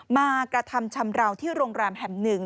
มากระทำชำราวที่โรงแรมแห่งหนึ่ง